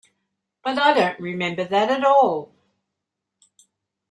But I don't remember that at all.